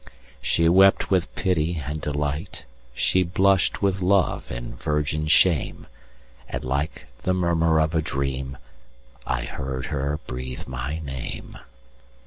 She wept with pity and delight, She blush'd with love and virgin shame; And like the murmur of a dream,I heard her breathe my name.